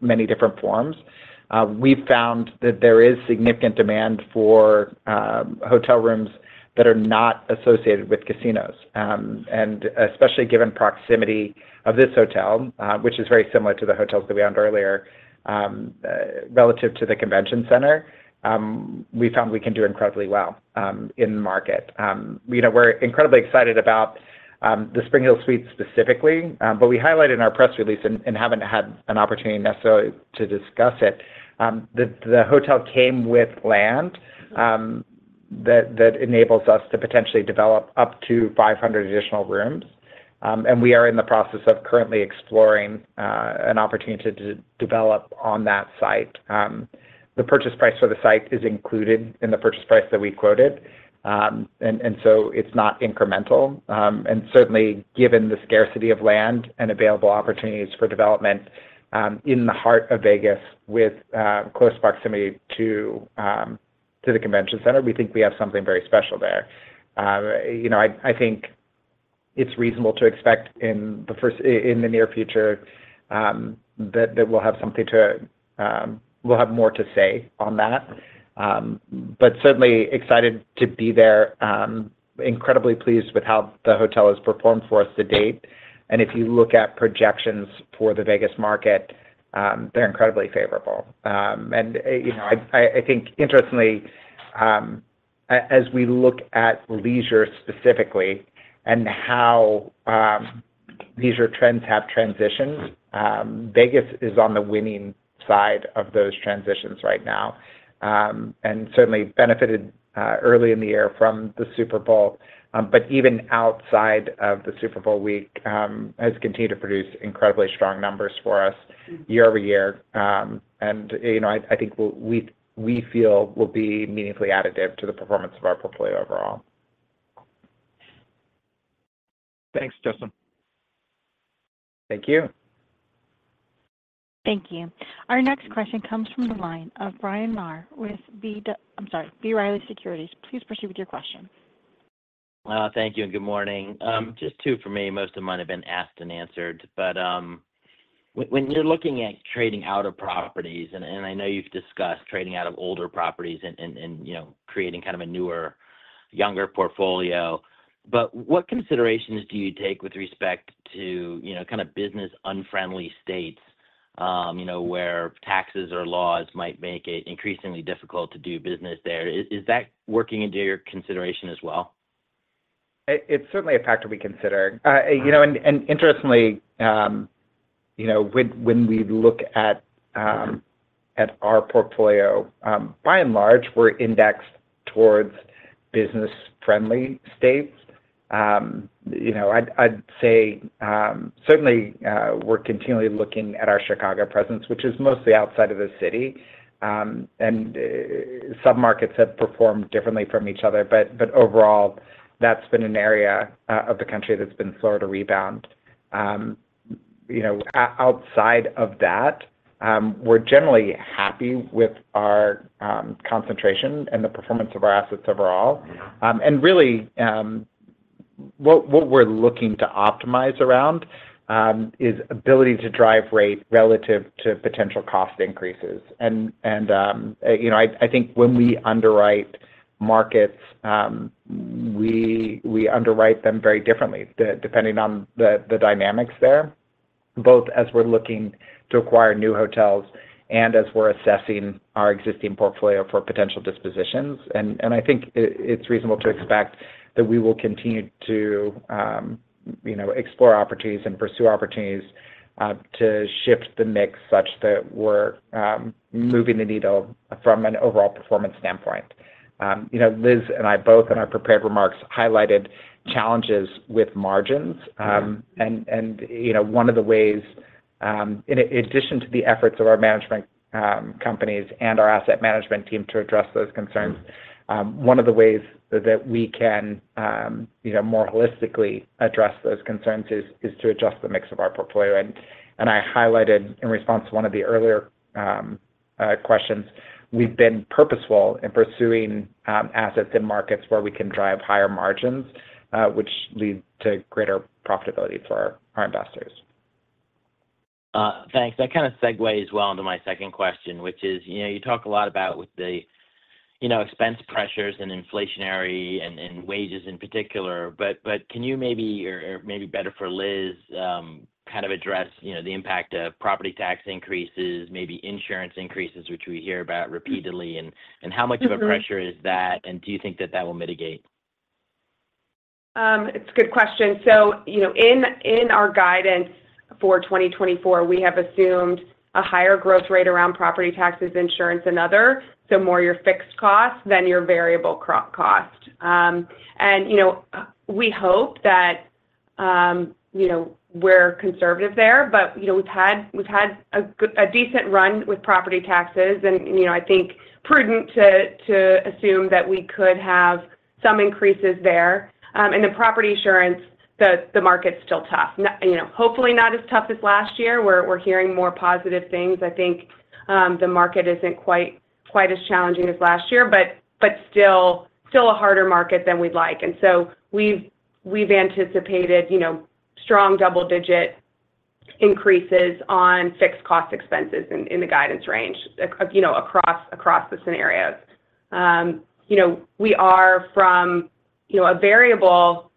many different forms. We've found that there is significant demand for hotel rooms that are not associated with casinos. Especially given proximity of this hotel, which is very similar to the hotels that we owned earlier relative to the convention center, we found we can do incredibly well in the market. We're incredibly excited about the SpringHill Suites specifically. We highlighted in our press release and haven't had an opportunity necessarily to discuss it that the hotel came with land that enables us to potentially develop up to 500 additional rooms. We are in the process of currently exploring an opportunity to develop on that site. The purchase price for the site is included in the purchase price that we quoted. It's not incremental. Certainly, given the scarcity of land and available opportunities for development in the heart of Vegas with close proximity to the convention center, we think we have something very special there. I think it's reasonable to expect in the near future that we'll have more to say on that. But certainly, excited to be there, incredibly pleased with how the hotel has performed for us to date. And if you look at projections for the Vegas market, they're incredibly favorable. And I think, interestingly, as we look at leisure specifically and how leisure trends have transitioned, Vegas is on the winning side of those transitions right now and certainly benefited early in the year from the Super Bowl. But even outside of the Super Bowl week, it has continued to produce incredibly strong numbers for us year-over-year. And I think we feel will be meaningfully additive to the performance of our portfolio overall. Thanks, Justin. Thank you. Thank you. Our next question comes from a line of Bryan Maher with, I'm sorry, B. Riley Securities. Please proceed with your question. Thank you and good morning. Just two for me. Most of mine have been asked and answered. But when you're looking at trading out of properties and I know you've discussed trading out of older properties and creating kind of a younger portfolio, but what considerations do you take with respect to kind of business-unfriendly states where taxes or laws might make it increasingly difficult to do business there? Is that working into your consideration as well? It's certainly a factor we consider. Interestingly, when we look at our portfolio, by and large, we're indexed towards business-friendly states. I'd say certainly, we're continually looking at our Chicago presence, which is mostly outside of the city. Some markets have performed differently from each other. But overall, that's been an area of the country that's been slower to rebound. Outside of that, we're generally happy with our concentration and the performance of our assets overall. Really, what we're looking to optimize around is ability to drive rate relative to potential cost increases. I think when we underwrite markets, we underwrite them very differently depending on the dynamics there, both as we're looking to acquire new hotels and as we're assessing our existing portfolio for potential dispositions. And I think it's reasonable to expect that we will continue to explore opportunities and pursue opportunities to shift the mix such that we're moving the needle from an overall performance standpoint. Liz and I both in our prepared remarks highlighted challenges with margins. And one of the ways in addition to the efforts of our management companies and our asset management team to address those concerns, one of the ways that we can more holistically address those concerns is to adjust the mix of our portfolio. And I highlighted in response to one of the earlier questions, we've been purposeful in pursuing assets in markets where we can drive higher margins, which leads to greater profitability for our investors. Thanks. That kind of segues well into my second question, which is you talk a lot about with the expense pressures and inflationary and wages in particular. But can you maybe, or maybe better for Liz, kind of address the impact of property tax increases, maybe insurance increases, which we hear about repeatedly? And how much of a pressure is that? And do you think that that will mitigate? It's a good question. So in our guidance for 2024, we have assumed a higher growth rate around property taxes, insurance, and other, so more your fixed cost than your variable cost. And we hope that we're conservative there. But we've had a decent run with property taxes, and I think prudent to assume that we could have some increases there. And in property insurance, the market's still tough, hopefully not as tough as last year. We're hearing more positive things. I think the market isn't quite as challenging as last year, but still a harder market than we'd like. And so we've anticipated strong double-digit increases on fixed cost expenses in the guidance range across the scenarios. We are from a variable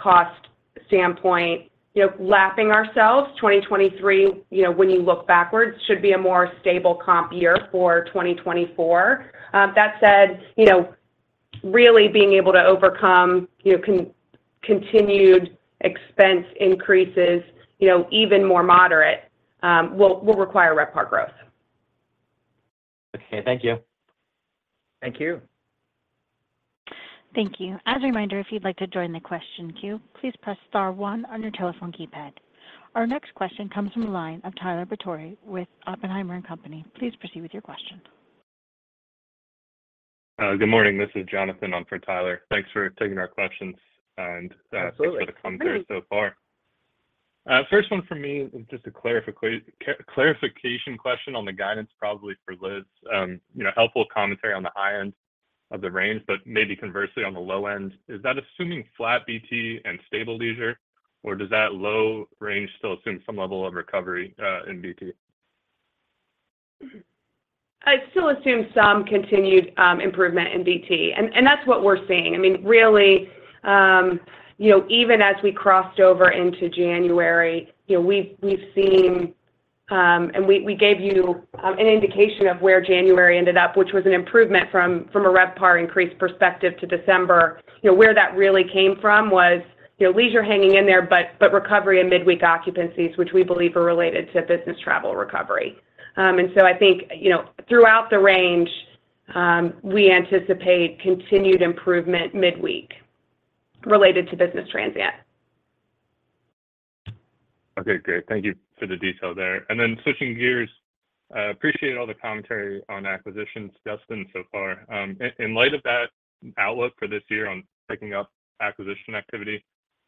cost standpoint lapping ourselves. 2023, when you look backwards, should be a more stable comp year for 2024. That said, really being able to overcome continued expense increases, even more moderate, will require RevPAR growth. Okay. Thank you. Thank you. Thank you. As a reminder, if you'd like to join the question queue, please press star one on your telephone keypad. Our next question comes from a line of Tyler Batory with Oppenheimer and Company. Please proceed with your question. Good morning. This is Jonathan on for Tyler. Thanks for taking our questions and thanks for the commentary so far. First one from me is just a clarification question on the guidance, probably for Liz. Helpful commentary on the high end of the range, but maybe conversely on the low end. Is that assuming flat BT and stable leisure, or does that low range still assume some level of recovery in BT? I still assume some continued improvement in BT. That's what we're seeing. I mean, really, even as we crossed over into January, we've seen and we gave you an indication of where January ended up, which was an improvement from a RevPAR increase perspective to December. Where that really came from was leisure hanging in there, but recovery in midweek occupancies, which we believe are related to business travel recovery. And so I think throughout the range, we anticipate continued improvement midweek related to business transient. Okay. Great. Thank you for the detail there. Then switching gears, I appreciate all the commentary on acquisitions, Justin, so far. In light of that outlook for this year on picking up acquisition activity,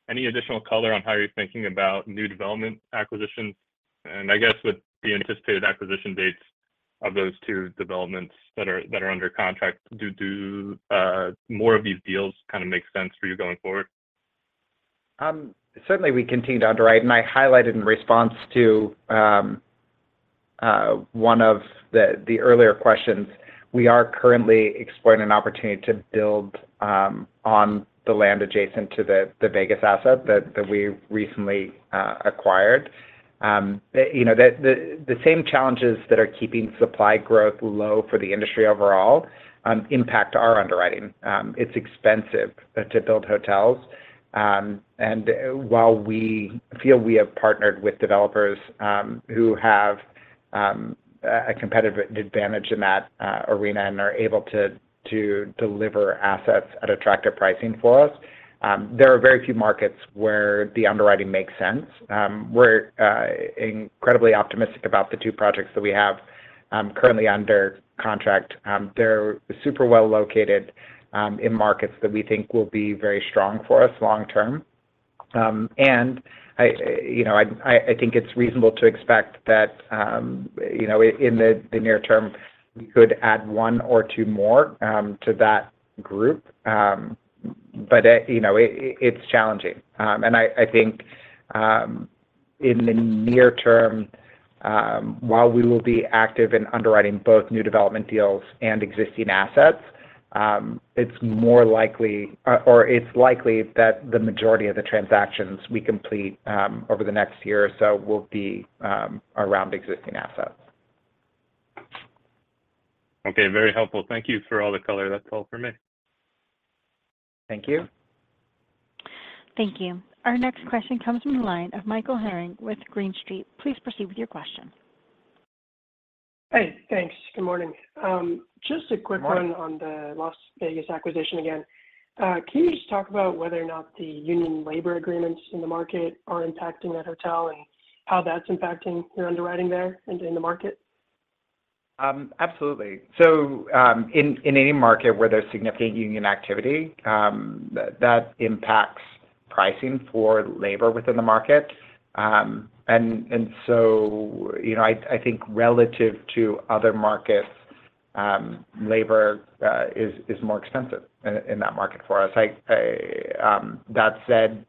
any additional color on how you're thinking about new development acquisitions? And I guess with the anticipated acquisition dates of those two developments that are under contract, do more of these deals kind of make sense for you going forward? Certainly, we continue to underwrite. And I highlighted in response to one of the earlier questions, we are currently exploring an opportunity to build on the land adjacent to the Vegas asset that we recently acquired. The same challenges that are keeping supply growth low for the industry overall impact our underwriting. It's expensive to build hotels. And while we feel we have partnered with developers who have a competitive advantage in that arena and are able to deliver assets at attractive pricing for us, there are very few markets where the underwriting makes sense. We're incredibly optimistic about the two projects that we have currently under contract. They're super well located in markets that we think will be very strong for us long term. And I think it's reasonable to expect that in the near term, we could add one or two more to that group. But it's challenging. I think in the near term, while we will be active in underwriting both new development deals and existing assets, it's more likely or it's likely that the majority of the transactions we complete over the next year or so will be around existing assets. Okay. Very helpful. Thank you for all the color. That's all for me. Thank you. Thank you. Our next question comes from a line of Michael Herring with Green Street. Please proceed with your question. Hey. Thanks. Good morning. Just a quick one on the Las Vegas acquisition again. Can you just talk about whether or not the union labor agreements in the market are impacting that hotel and how that's impacting your underwriting there and in the market? Absolutely. So in any market where there's significant union activity, that impacts pricing for labor within the market. And so I think relative to other markets, labor is more expensive in that market for us. That said,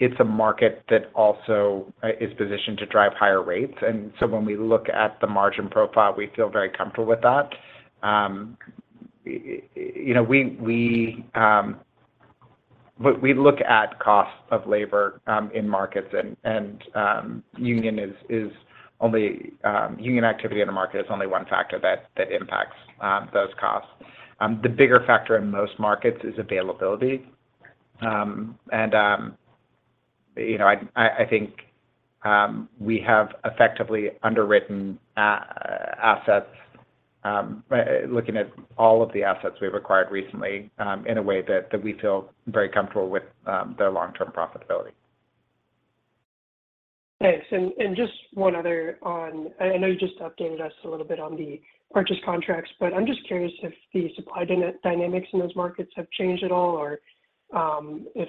it's a market that also is positioned to drive higher rates. And so when we look at the margin profile, we feel very comfortable with that. We look at cost of labor in markets, and union activity in a market is only one factor that impacts those costs. The bigger factor in most markets is availability. And I think we have effectively underwritten assets, looking at all of the assets we've acquired recently, in a way that we feel very comfortable with their long-term profitability. Thanks. Just one other one. I know you just updated us a little bit on the purchase contracts, but I'm just curious if the supply dynamics in those markets have changed at all or if,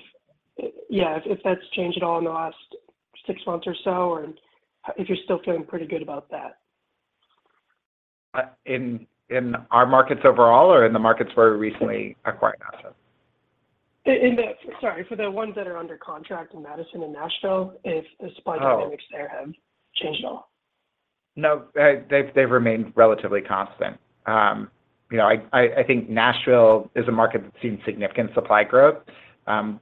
yeah, if that's changed at all in the last six months or so or if you're still feeling pretty good about that. In our markets overall or in the markets where we recently acquired assets? Sorry, for the ones that are under contract in Madison and Nashville, if the supply dynamics there have changed at all? No, they've remained relatively constant. I think Nashville is a market that's seen significant supply growth.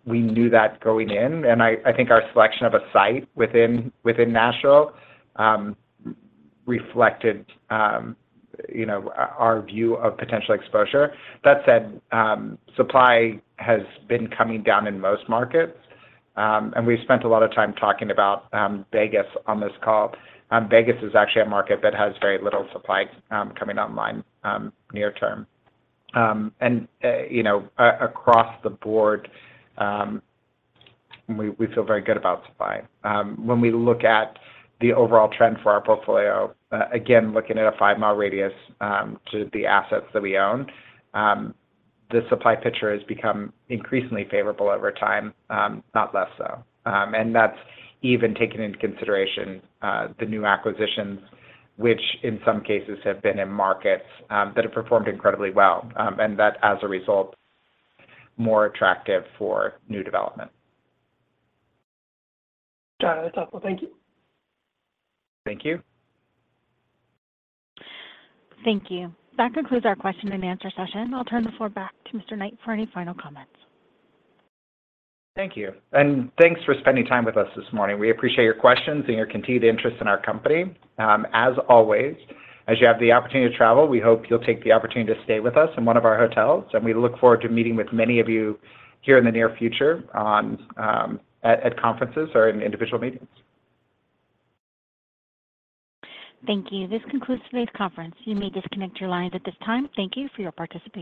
We knew that going in. I think our selection of a site within Nashville reflected our view of potential exposure. That said, supply has been coming down in most markets. We've spent a lot of time talking about Vegas on this call. Vegas is actually a market that has very little supply coming online near term. Across the board, we feel very good about supply. When we look at the overall trend for our portfolio, again, looking at a five-mile radius to the assets that we own, the supply picture has become increasingly favorable over time, not less so. That's even taken into consideration the new acquisitions, which in some cases have been in markets that have performed incredibly well and that, as a result, more attractive for new development. Got it. That's helpful. Thank you. Thank you. Thank you. That concludes our question and answer session. I'll turn the floor back to Mr. Knight for any final comments. Thank you. Thanks for spending time with us this morning. We appreciate your questions and your continued interest in our company. As always, as you have the opportunity to travel, we hope you'll take the opportunity to stay with us in one of our hotels. We look forward to meeting with many of you here in the near future at conferences or in individual meetings. Thank you. This concludes today's conference. You may disconnect your lines at this time. Thank you for your participation.